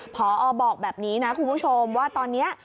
พอบอกแบบนี้นะคุณผู้ชมว่าตอนนี้